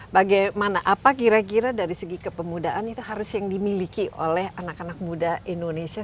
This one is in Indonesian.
bagaimana apa kira kira dari segi kepemudaan itu harus yang dimiliki oleh anak anak muda indonesia